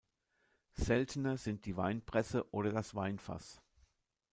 Seltener sind die Weinpresse oder das Weinfass.